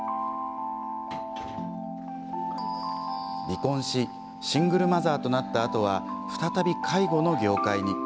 離婚しシングルマザーとなったあとは再び介護の業界に。